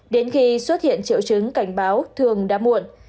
đến khi xuất hiện triệu chứng cảnh báo thường đã muộn